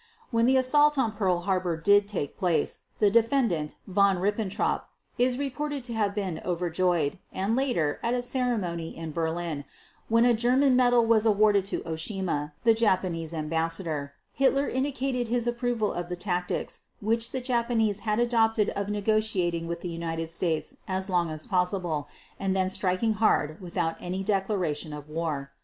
When the assault on Pearl Harbor did take place, the Defendant Von Ribbentrop is reported to have been "overjoyed", and later, at a ceremony in Berlin, when a German medal was awarded to Oshima, the Japanese Ambassador, Hitler indicated his approval of the tactics which the Japanese had adopted of negotiating with the United States as long as possible, and then striking hard without any declaration of war.